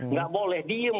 nggak boleh diem